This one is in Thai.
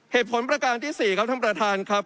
เหตุผลประการที่๔ครับท่านประธานครับ